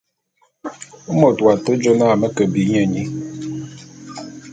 Mot w'ake jô na me ke bi nye nyi.